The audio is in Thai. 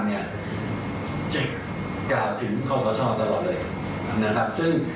จะกล่าวถึงข้อสอดชอบตลอดเลย